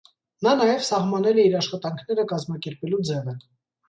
Նա նաև սահմանել է իր աշխատանքները կազմակերպելու ձևը։